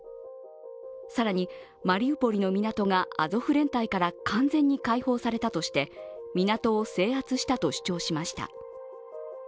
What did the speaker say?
更にマリウポリの港がアゾフ連隊から完全に解放されたとして港を制圧したと主張しました。